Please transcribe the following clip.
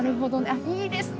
あいいですね